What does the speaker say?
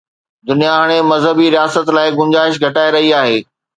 دنيا هاڻي مذهبي رياست لاءِ گنجائش گهٽائي رهي آهي.